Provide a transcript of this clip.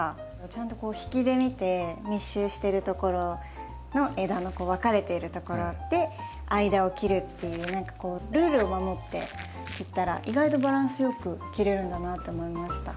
ちゃんとこう引きで見て密集してるところの枝の分かれてるところで間を切るっていう何かこうルールを守って切ったら意外とバランスよく切れるんだなって思いました。